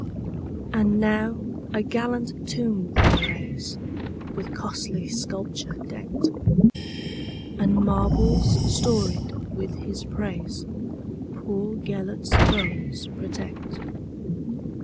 And now a gallant tomb they raise, With costly sculpture decked; And marbles storied with his praisePoor Gêlert's bones protect.